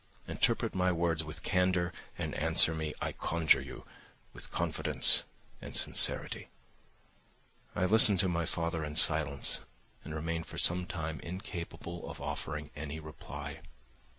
Interpret my words with candour and answer me, I conjure you, with confidence and sincerity." I listened to my father in silence and remained for some time incapable of offering any reply.